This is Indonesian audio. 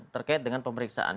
terkait dengan pemeriksaan